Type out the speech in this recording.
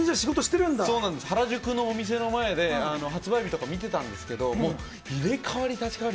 原宿のお店の前で発売日とか見てたんですけど入れ代わり、立ち代わり